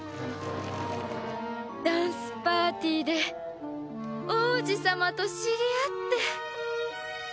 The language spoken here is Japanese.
ダンスパーティーで王子様と知り合って！